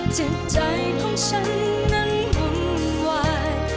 จิตใจของฉันนั้นวุ่นวาย